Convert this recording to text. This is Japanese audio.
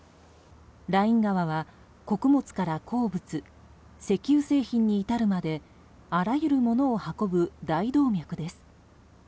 ライン川は穀物から鉱物石油製品に至るまであらゆるものを運ぶ大動脈です。